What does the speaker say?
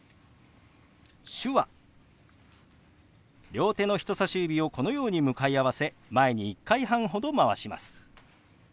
両手の人さし指をこのように向かい合わせ前に１回半ほどまわします。